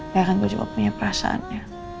ya kan gue juga punya perasaan ya